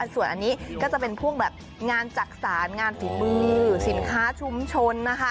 ส่วนอันนี้ก็จะเป็นงานจักษานงานฝีบือสินค้าชุมชน